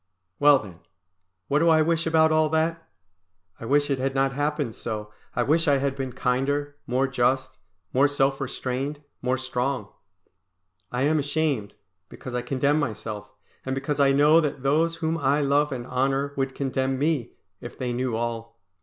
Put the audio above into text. Well then, what do I wish about all that? I wish it had not happened so, I wish I had been kinder, more just, more self restrained, more strong. I am ashamed, because I condemn myself, and because I know that those whom I love and honour would condemn me, if they knew all.